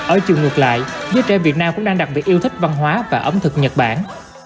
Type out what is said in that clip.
ở chiều ngược lại giới trẻ việt nam cũng đang đặc biệt yêu thích văn hóa và ẩm thực nhật bản